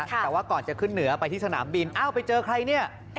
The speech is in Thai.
แต่ว่าก่อนจะขึ้นเหนือไปที่สนามบินอ้าวไปเจอใครเนี่ย